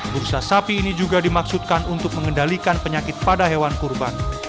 bursa sapi ini juga dimaksudkan untuk mengendalikan penyakit pada hewan kurban